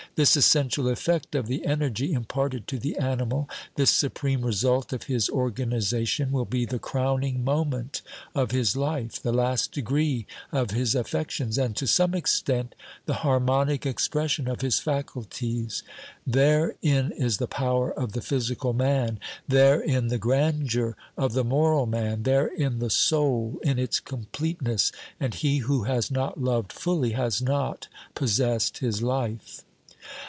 This essential effect of the energy imparted to the animal, this supreme result of his organisation, will be the crowning OBERMANN 259 moment of his life, the last degree of his affections, and to some extent the harmonic expression of his faculties. Therein is the power of the physical man, therein the grandeur of the moral man, therein the soul in its complete ness, and he who has not loved fully has not possessed his life.